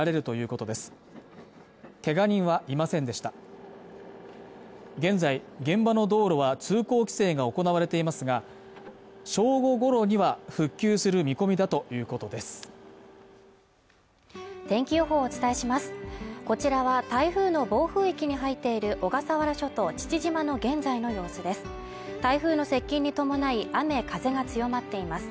こちらは台風の暴風域に入っている小笠原諸島父島の現在の様子です